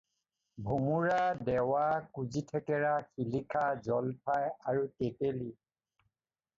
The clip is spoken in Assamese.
ভোমোৰা, ডেৱা, কুজি থেকেৰা, শিলিখা, জলফাই আৰু তেঁতেলী।